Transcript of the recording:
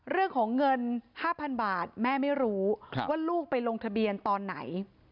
เรื่องของเงิน๕๐๐๐บาทแม่ไม่รู้ว่าลูกไปลงทะเบียนตอนไหน